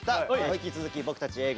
引き続き僕たちＡぇ！